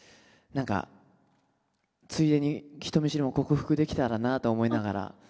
何かついでに人見知りも克服できたらなと思いながら。